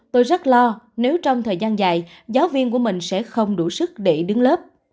tôi rất lo nếu trong thời gian dài giáo viên của mình sẽ không đủ sức để đứng lớp